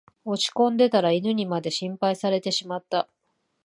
落ちこんでたら犬にまで心配されてしまった